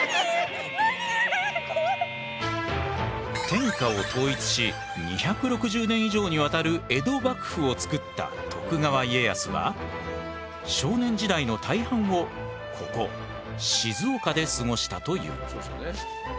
天下を統一し２６０年以上にわたる江戸幕府を作った徳川家康は少年時代の大半をここ静岡で過ごしたという。